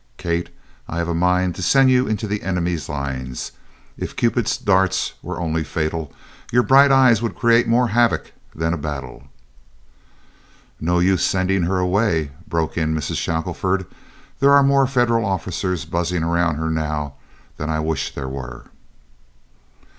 Kate, I have a mind to send you into the enemy's lines. If Cupid's darts were only fatal, your bright eyes would create more havoc than a battle." "No use sending her away," broke in Mrs. Shackelford; "there are more Federal officers buzzing around her now than I wish there were."